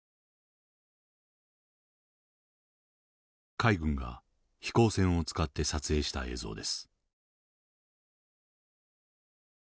海軍が飛行船を使って撮影した映像です。